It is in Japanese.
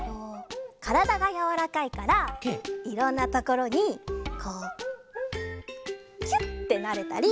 からだがやわらかいからいろんなところにこうキュッてなれたり。